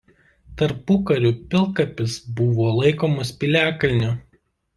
Tarpukariu pilkapis buvo laikomas piliakalniu.